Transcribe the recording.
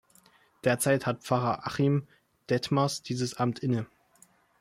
Derzeit hat Pfarrer Achim Detmers dieses Amt inne.